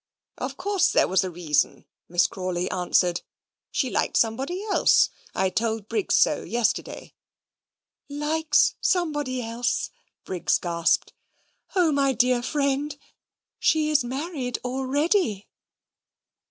"Of course there was a reason," Miss Crawley answered. "She liked somebody else. I told Briggs so yesterday." "LIKES somebody else!" Briggs gasped. "O my dear friend, she is married already."